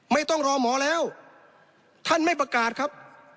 ไม่ต้องรอหมอแล้วท่านไม่ประกาศครับ